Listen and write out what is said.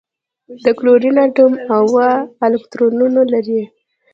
د کلورین اتوم اوه الکترونونه لري.